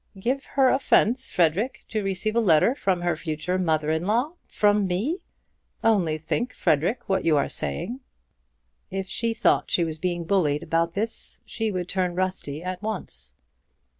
"Give her offence, Frederic, to receive a letter from her future mother in law; from me! Only think, Frederic, what you are saying." "If she thought she was being bullied about this, she would turn rusty at once."